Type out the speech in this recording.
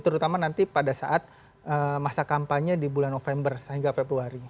terutama nanti pada saat masa kampanye di bulan november sehingga februari